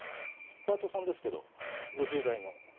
パートさんですけど５０代の。